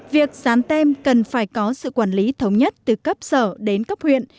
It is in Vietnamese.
việc dán tem cần phải có sự quản lý thống nhất từ cấp sở đến cấp huyện